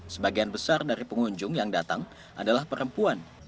sebagian besar dari pengunjung yang datang adalah perempuan